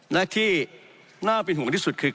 และที่น่าเป็นห่วงที่สุดคือ